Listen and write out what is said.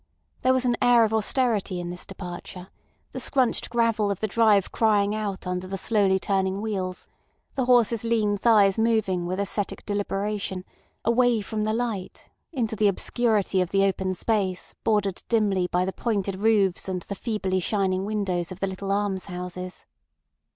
There was an air of austerity in this departure, the scrunched gravel of the drive crying out under the slowly turning wheels, the horse's lean thighs moving with ascetic deliberation away from the light into the obscurity of the open space bordered dimly by the pointed roofs and the feebly shining windows of the little alms houses.